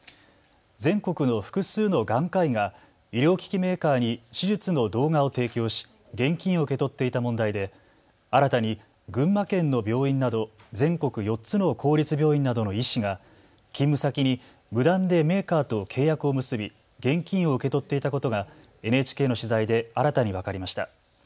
全国の複数の眼科医が医療機器メーカーに手術の動画を提供し現金を受け取っていた問題で新たに群馬県の病院など全国４つの公立病院などの医師が勤務先に無断でメーカーと契約を結び現金を受け取っていたことがＮＨＫの取材で新たに分かりました。